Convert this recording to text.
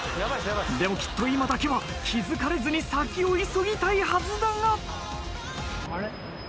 でもきっと今だけは気付かれずに先を急ぎたいはずだが。